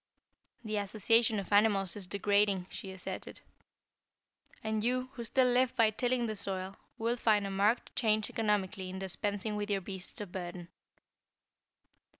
"The association of animals is degrading," she asserted. "And you, who still live by tilling the soil, will find a marked change economically in dispensing with your beasts of burden.